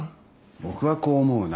僕はこう思うな。